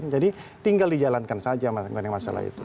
jadi tinggal dijalankan saja mengenai masalah itu